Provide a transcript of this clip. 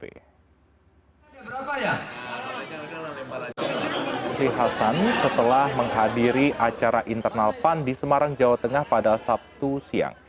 sri hasan setelah menghadiri acara internal pan di semarang jawa tengah pada sabtu siang